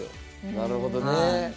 なるほどね。